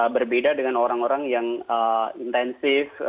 berbeda dengan orang orang yang intensif